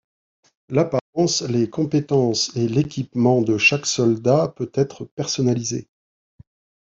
L'apparence, les compétences et l'équipement de chaque soldat peut être personnalisé.